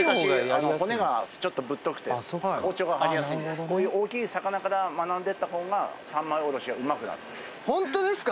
あの骨がちょっとぶっとくて包丁が入りやすいんでこういう大きい魚から学んでったほうが３枚おろしはうまくなるホントですか？